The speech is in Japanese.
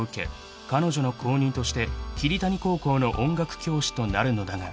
彼女の後任として桐谷高校の音楽教師となるのだが］